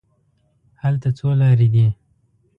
هلته څو لارې دي.